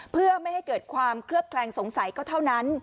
เพื่อไม่ให้เกิดความเคลือบแคลงสงสัยก็เท่านั้น